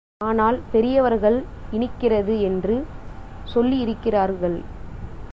ஆனால் பெரியவர்கள் இனிக்கிறது என்று சொல்லியிருக்கிறார்கள்.